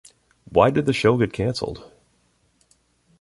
Why did the show got cancelled?